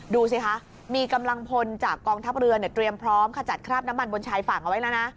ดูสิคะมีกำลังพลจากกองทัพเรือเตรียมพร้อมขจัดคราบน้ำมันบนชายฝั่งเอาไว้แล้วนะ